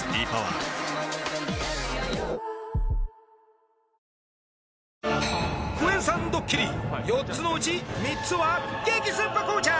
クエン酸ドッキリ４つのうち３つは激スッパ紅茶